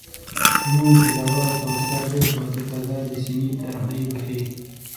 لمونځ، تلاوت او اذکار ډېر کوه، ځکه دا دې سینې ته روښاني بخښي